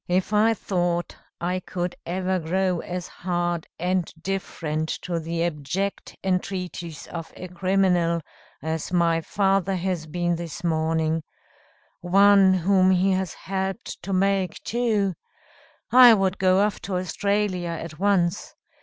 "If I thought I could ever grow as hard and different to the abject entreaties of a criminal as my father has been this morning one whom he has helped to make, too I would go off to Australia at once.